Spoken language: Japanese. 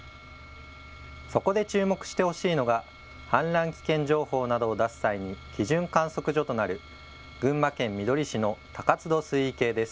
そこで注目してほしいのが氾濫危険情報などを出す際に基準観測所となる群馬県みどり市の高津戸水位計です。